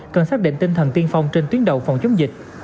cần xác định tinh thần tiên phong trên tuyến đầu phòng chống dịch